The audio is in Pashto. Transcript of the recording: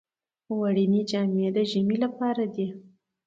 وړینې جامې د ژمي لپاره دي